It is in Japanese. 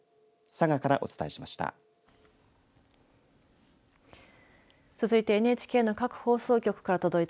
佐賀からお伝えしました。